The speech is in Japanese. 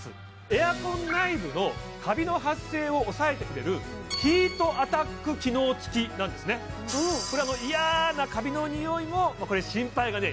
エアコン内部のカビの発生を抑えてくれるヒートアタック機能付きなんですねこれイヤなカビのにおいもこれ心配がね